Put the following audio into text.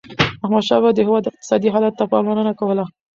احمدشاه بابا د هیواد اقتصادي حالت ته پاملرنه کوله.